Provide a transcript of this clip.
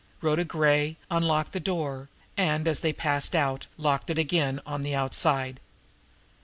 Rhoda Gray unlocked the door, and, as they passed out, locked it again on the outside.